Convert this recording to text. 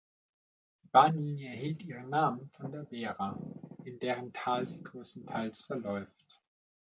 Die Bahnlinie erhielt ihren Namen von der Werra, in deren Tal sie größtenteils verläuft.